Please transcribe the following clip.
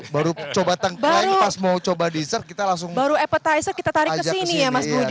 baru coba tangkain pas mau coba dessert kita langsung ajak kesini ya mas budi